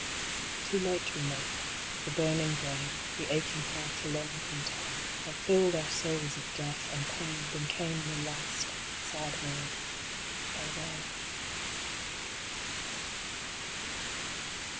Too late we met, the burning brain, The aching heart alone can tell, How filled our souls of death and pain When came the last, sad word, Farewell!